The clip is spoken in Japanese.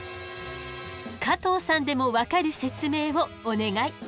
加藤さんでも分かる説明をお願い。